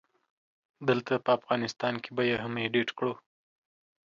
دلته په افغانستان کې به يې هم اډيټ کړو